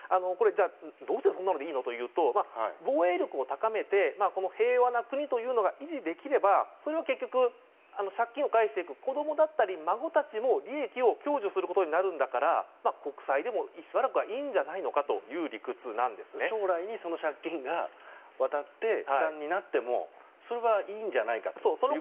どうしてそんなのでいいのというと防衛力を高めてこの平和な国というのが維持できればそれは結局借金を返していく子供だったり孫たちも利益を享受することになるから国債でもしばらくはいいんじゃないのかという将来にその借金が渡って、負担になってもそれはいいんじゃないかということですね。